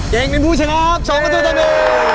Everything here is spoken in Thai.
เก่งเป็นผู้ชนะครับสองกระจุตุดี